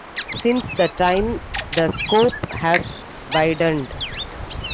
Since that time the scope has widened.